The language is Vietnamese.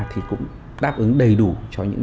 thì cũng đáp ứng đầy đủ cho những